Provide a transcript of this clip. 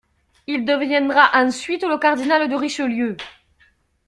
Il deviendra ensuite le cardinal de Richelieu.